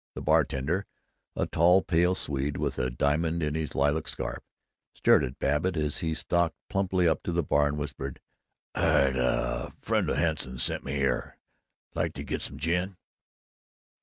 The bartender, a tall pale Swede with a diamond in his lilac scarf, stared at Babbitt as he stalked plumply up to the bar and whispered, "I'd, uh Friend of Hanson's sent me here. Like to get some gin."